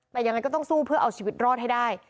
แต่ยังไงก็ต้องสู้เพื่อเอาชีวิตรอดให้ได้